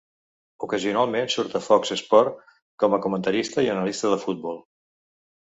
Ocasionalment surt a Fox Sports com a comentarista i analista de futbol.